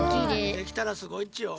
できたらすごいっちよ。